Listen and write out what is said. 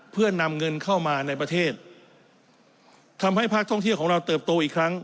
เพื่อนำเงินเข้ามาในประเทศทำให้ภาคท่องเที่ยวของเราเติบโตอีกครั้ง